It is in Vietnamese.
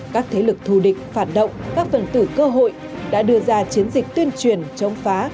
các thế lực thù địch phản động các phần tử cơ hội đã đưa ra chiến dịch tuyên truyền chống phá